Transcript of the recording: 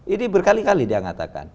ini berkali kali dia mengatakan